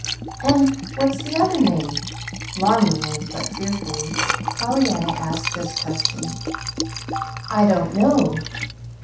"And what's the other name?" Longingly, but fearfully, Pollyanna asked this question. "I don't know."